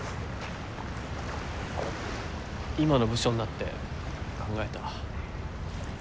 今の部署になって考えた。